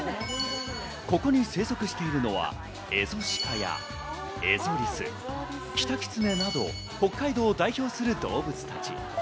ここに生息してるのはエゾシカやエゾリス、キタキツネなど北海道を代表する動物たち。